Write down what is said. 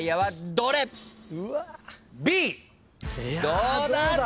どうだ？